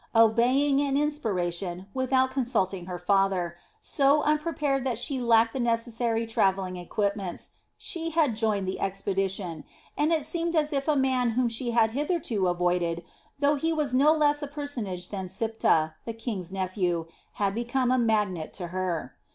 Obeying an inspiration, without consulting her father, so unprepared that she lacked the necessary traveling equipments, she had joined the expedition, and it seemed as if a man whom she had hitherto avoided, though he was no less a personage than Siptah, the king's nephew, had become a magnet to her.